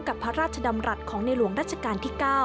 พระราชดำรัฐของในหลวงรัชกาลที่๙